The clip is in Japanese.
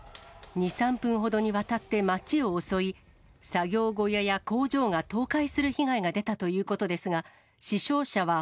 ２、３分ほどにわたって街を襲い、作業小屋や工場が倒壊する被害が出たということですが、死傷者は